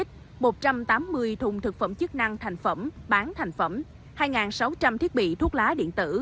một trăm tám mươi thùng thực phẩm chức năng thành phẩm bán thành phẩm hai sáu trăm linh thiết bị thuốc lá điện tử